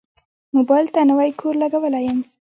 موبایل ته نوی کوور لګولی یم.